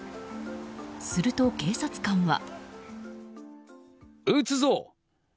すると警察官は。